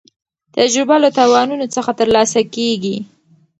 تجربه له تاوانونو څخه ترلاسه کېږي.